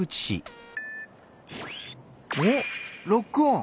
おおロックオン！